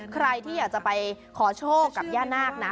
ใครที่อยากจะไปขอโชคกับย่านาคนะ